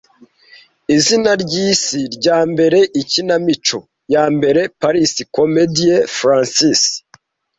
Izina ryisi ryambere Ikinamico Yambere Paris Comedie Francaise